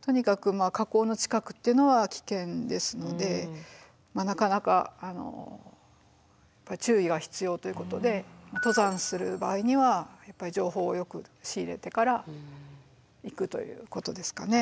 とにかく火口の近くっていうのは危険ですのでなかなか注意が必要ということで登山する場合にはやっぱり情報をよく仕入れてから行くということですかね。